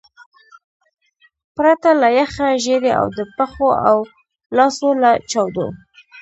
پرته له یخه ژیړي او د پښو او لاسو له چاودو.